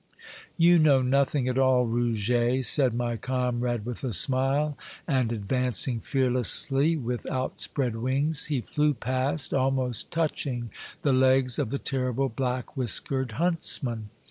"You know nothing at all, Rouget," said my comrade, with a smile ; and advancing fearlessly with outspread wings, he flew past, almost touching the legs of the terrible black whiskered huntsman.